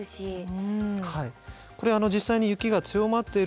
はい。